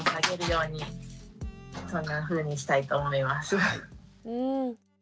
うん。